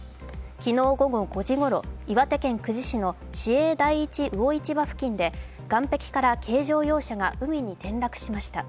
昨日午後５時ごろ、岩手県久慈市の市営第一魚市場付近で岸壁から軽乗用車が海に転落しました。